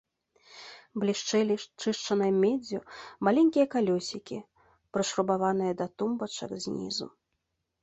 Блішчэлі чышчанай меддзю маленькія калёсікі, прышрубаваныя да тумбачак знізу.